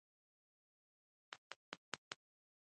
لاس مې پۀ سينه شو بنګړو شور اولګوو